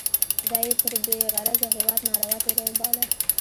دا یې پر بې غرضه هیواد ناروا تېری باله.